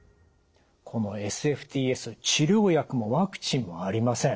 このＳＦＴＳ治療薬もワクチンもありません。